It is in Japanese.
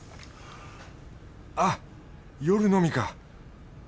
あっ夜のみか。